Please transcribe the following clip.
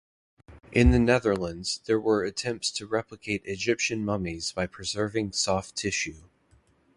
In the Netherlands, there were attempts to replicate Egyptian mummies by preserving soft tissue.